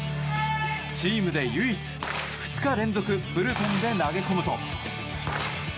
チームで唯一２日連続ブルペンで投げ込むと。